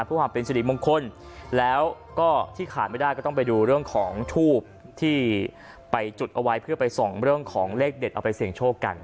เพื่อความเป็นสิริมงคลแล้วก็ที่ขาดไม่ได้ก็ต้องไปดูเรื่องของทูบที่ไปจุดเอาไว้เพื่อไปส่องเรื่องของเลขเด็ดเอาไปเสี่ยงโชคกัน